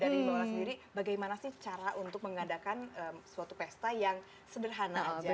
dari mbak ola sendiri bagaimana sih cara untuk mengadakan suatu pesta yang sederhana aja